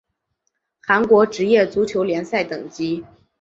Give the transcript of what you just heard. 韩国职业足球联赛等级